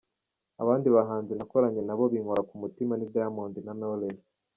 Abandi bahanzi nakoranye na bo bikankora ku mutima ni Diamond na Knowless”.